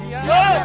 iya pak rt